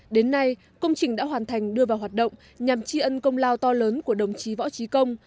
đến nay công trình đã hoàn thành đưa vào hoạt động nhằm tri ân công lao to lớn của đồng chí võ trí công